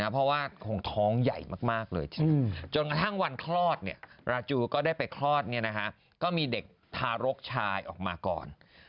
เพราะว่าคงท้องใหญ่มากเลยจริงจนกระทั่งวันคลอดราจูก็ได้ไปคลอดก็มีเด็กทารกชายออกมาก่อน